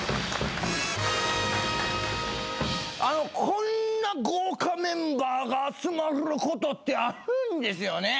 こんな豪華メンバーが集まることってあるんですよね。